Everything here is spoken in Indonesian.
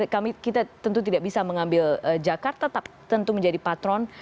kita tentu tidak bisa mengambil jakarta tentu menjadi patron